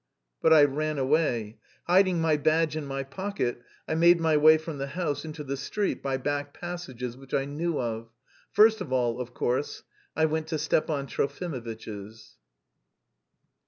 But I ran away. Hiding my badge in my pocket I made my way from the house into the street by back passages which I knew of. First of all, of course, I went to Stepan Trofimovitch's.